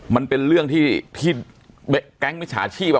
มันเป็นเรื่องที่แก๊งมิจฉาชีพ